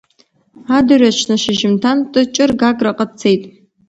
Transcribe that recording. Адырҩаҽны ашьжьымҭан Тыҷыр Гаграҟа дцеит.